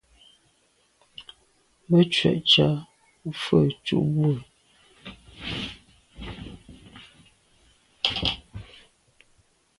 Me tswe’ tsha mfe tu bwe.